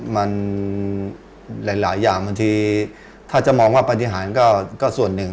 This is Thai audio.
มันหลายอย่างบางทีถ้าจะมองว่าปฏิหารก็ส่วนหนึ่ง